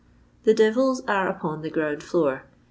" The devils are upon the ground floor.